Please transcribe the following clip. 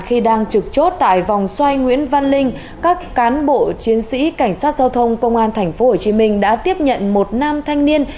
khi đang trực chốt tại vòng xoay nguyễn văn linh các cán bộ chiến sĩ cảnh sát giao thông công an tp hcm đã tiếp nhận một nam thanh niên